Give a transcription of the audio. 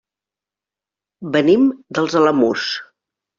Venim dels Alamús.